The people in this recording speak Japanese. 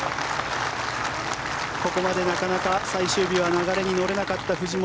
ここまでなかなか最終日は流れに乗れなかった藤本。